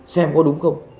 xem có đúng không